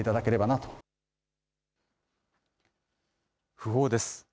訃報です。